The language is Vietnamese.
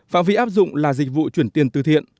phạm vị áp dụng là dịch vụ chuyển tiền từ thiện